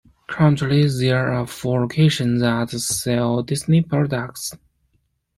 Currently, there are four locations that sell Disney products.